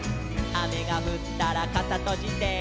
「あめがふったらかさとじて」